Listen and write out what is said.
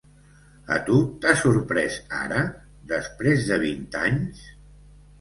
A tu t’ha sorprès ara, després de vint anys?